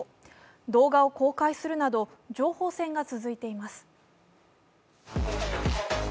動画を公開するなど、情報戦が続いています。